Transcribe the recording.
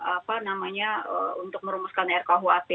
apa namanya untuk merumuskan rkuhp